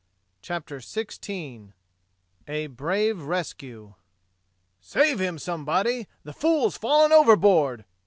CHAPTER XVI A BRAVE RESCUE "Save him, somebody! The fool's fallen overboard!"